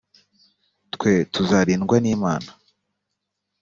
twe tuzarindwa n ‘imana